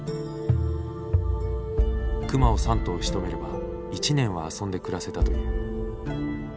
熊を３頭しとめれば一年は遊んで暮らせたという。